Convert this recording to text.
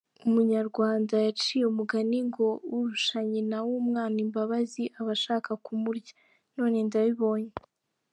Umunyarwanda yaciye umugani “Ngo urusha nyina w’umwana imbabazi aba shaka kumurya “none ndabibonye.